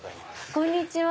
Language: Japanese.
こんにちは。